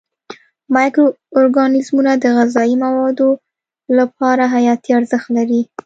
مایکرو ارګانیزمونه د غذایي موادو لپاره حیاتي ارزښت لري.